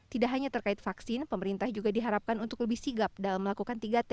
tidak hanya terkait vaksin pemerintah juga diharapkan untuk lebih sigap dalam melakukan tiga t